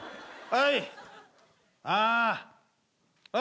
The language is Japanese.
はい。